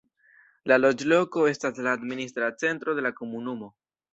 La loĝloko estas la administra centro de la komunumo.